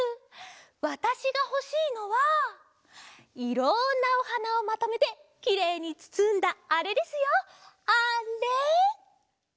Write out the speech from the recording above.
わたしがほしいのはいろんなおはなをまとめてきれいにつつんだあれですよあれ！